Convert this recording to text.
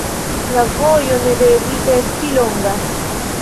La vojo ne devis esti longa.